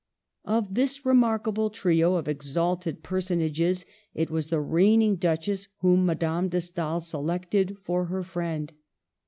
Of this remarkable trio of exalted personages it was the reigning duchess whom Madame de Stael selected for her friend.